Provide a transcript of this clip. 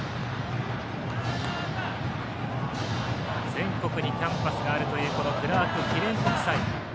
全国にキャンバスがあるというクラーク記念国際。